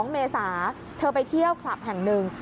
เมษาเธอไปเที่ยวคลับแห่งหนึ่ง